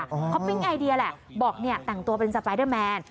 เขาปิ๊งไอเดียแหละบอกเนี่ยแต่งตัวเป็นสไปเดอร์แมน